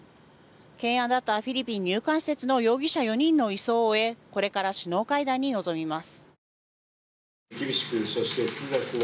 懸案だったフィリピン入管施設の容疑者４人の移送を終えこれから首脳会談に臨みます。